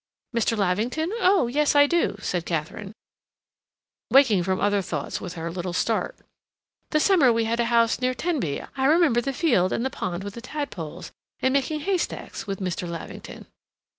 "Mr. Lavington? Oh, yes, I do," said Katharine, waking from other thoughts with her little start. "The summer we had a house near Tenby. I remember the field and the pond with the tadpoles, and making haystacks with Mr. Lavington."